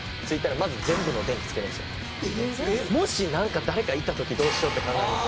もしなんか誰かいた時どうしようって考えるんですよ。